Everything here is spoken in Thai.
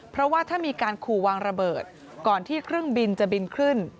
เพราะว่าถ้ามีการขู่วางระเบิดก่อนที่เครื่องบินจะบินขึ้น